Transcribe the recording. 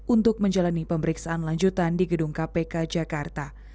untuk menjalani pemeriksaan lanjutan di gedung kpk jakarta